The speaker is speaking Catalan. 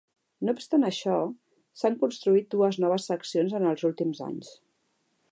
No obstant això, s'han construït dues noves seccions en els últims anys.